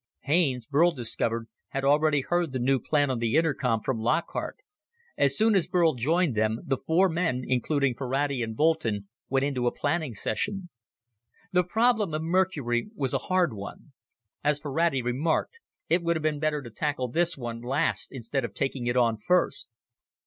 Haines, Burl discovered, had already heard the new plan on the intercom from Lockhart. As soon as Burl joined them, the four men, including Ferrati and Boulton, went into a planning session. The problem of Mercury was a hard one. As Ferrati remarked, "It would have been better to tackle this one last instead of taking it on first."